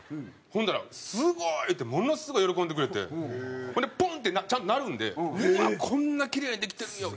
ほんだら「すごい！」ってものすごい喜んでくれてほんでポンってちゃんと鳴るんで「うわっこんなキレイにできてるよ」